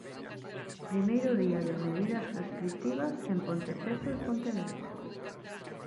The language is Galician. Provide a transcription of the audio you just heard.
Primeiro día de medidas restritivas en Ponteceso e Pontevedra.